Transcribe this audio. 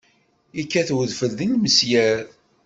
Ikkat wedfel d ilmesyar!